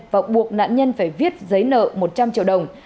và buộc nạn nhân phải viết giấy nợ một trăm linh triệu đồng